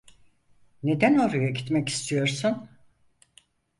Neden oraya gitmek istiyorsun?